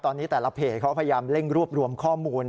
ตอนนี้แต่ละเพจเขาพยายามเร่งรวบรวมข้อมูล